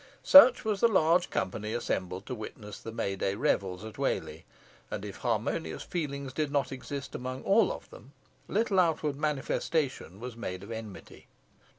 Such was the large company assembled to witness the May day revels at Whalley, and if harmonious feelings did not exist amongst all of them, little outward manifestation was made of enmity.